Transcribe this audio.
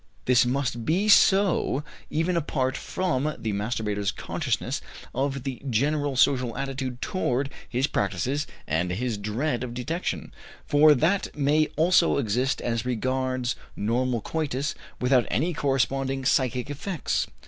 This must be so, even apart from the masturbator's consciousness of the general social attitude toward his practices and his dread of detection, for that may also exist as regards normal coitus without any corresponding psychic effects.